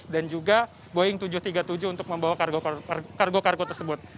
dan juga boeing tujuh ratus tiga puluh tujuh untuk membawa kargo kargo tersebut